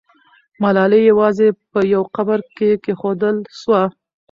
ملالۍ یوازې په یو قبر کې کښېښودل سوه.